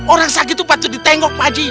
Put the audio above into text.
orang sakit itu patut ditengok bu aji